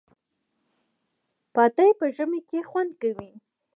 پاتې په ژمي کی خوندکوی